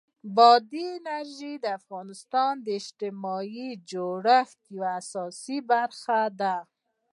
بادي انرژي د افغانستان د اجتماعي جوړښت یوه اساسي برخه ده.